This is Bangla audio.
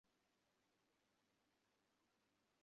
তিনি দুইজন পুত্র সন্তানের জন্ম দেন।